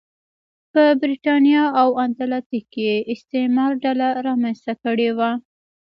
په برېتانیا او اتلانتیک کې استعمار ډله رامنځته کړې وه.